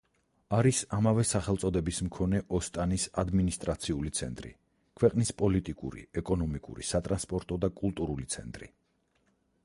არის ამავე სახელწოდების მქონე ოსტანის ადმინისტრაციული ცენტრი, ქვეყნის პოლიტიკური, ეკონომიკური, სატრანსპორტო და კულტურული ცენტრი.